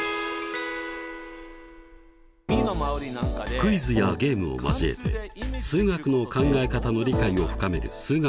クイズやゲームを交えて数学の考え方の理解を深める「数学Ⅰ」。